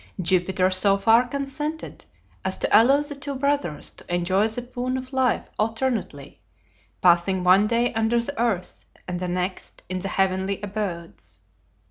Jupiter so far consented as to allow the two brothers to enjoy the boon of life alternately, passing one day under the earth and the next in the heavenly abodes.